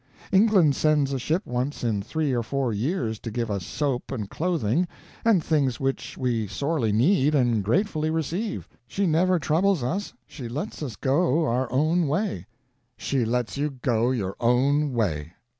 England sends a ship once in three or four years to give us soap and clothing, and things which we sorely need and gratefully receive; but she never troubles us; she lets us go our own way." "She lets you go your own way!